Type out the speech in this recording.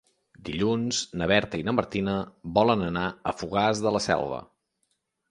Dilluns na Berta i na Martina volen anar a Fogars de la Selva.